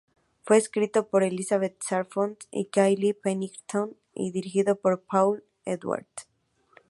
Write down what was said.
Fue escrito por Elizabeth Sarnoff y Kyle Pennington, y dirigido por Paul Edwards.